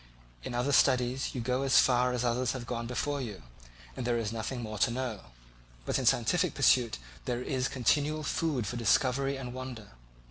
In other studies you go as far as others have gone before you, and there is nothing more to know; but in a scientific pursuit there is continual food for discovery and wonder.